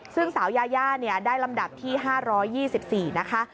ซึ่งสาวยายาได้ลำดับที่๕๒๔นะคะ